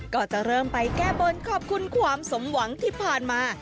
ก็จะเริ่มไปแก้บนขอบคุณความสมหวังที่ผ่านมา